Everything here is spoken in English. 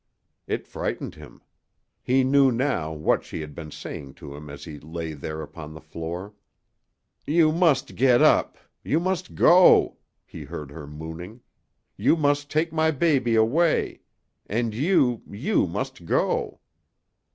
It frightened him. He knew now what she had been saying to him as he lay there upon the floor. "You must get up! You must go!" he heard her mooning. "You must take my baby away. And you you must go!"